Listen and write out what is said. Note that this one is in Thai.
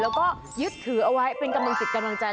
แล้วก็ยึดถือเอาไว้เป็นกำลังจิตกำลังใจ